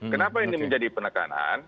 kenapa ini menjadi penekanan